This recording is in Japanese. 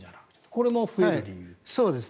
これも増える理由。